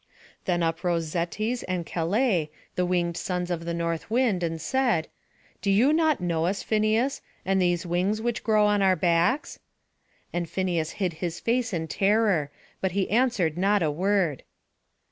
Then up rose Zetes and Calais, the winged sons of the North wind, and said, "Do you not know us, Phineus, and these wings which grow upon our backs?" And Phineus hid his face in terror; but he answered not a word.